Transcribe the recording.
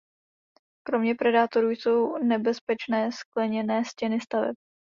Kromě predátorů jsou nebezpečné skleněné stěny staveb.